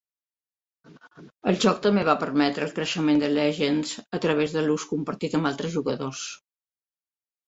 El joc també va permetre el creixement de Legendz a través de l'ús compartit amb altres jugadors.